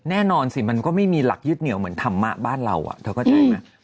แน่นอนสิมันก็ไม่มีหลักยึดเหนียวเหมือนธรรมะบ้านเราเธอเข้าใจไหม